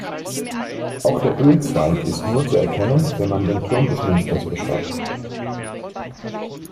Auch der Ölzweig ist nur zu erkennen, wenn man den Turm des Münsters besteigt.